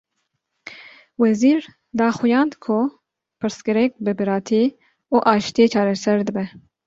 Wezîr, daxuyand ku pirsgirêk bi biratî û aştiyê çareser dibe